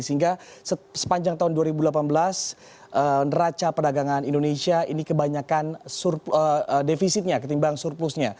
sehingga sepanjang tahun dua ribu delapan belas neraca perdagangan indonesia ini kebanyakan defisitnya ketimbang surplusnya